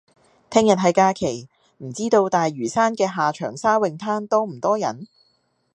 聽日係假期，唔知道大嶼山嘅下長沙泳灘多唔多人？